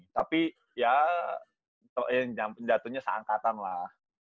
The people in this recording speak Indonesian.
tapi ya jatuhnya seangkatan lah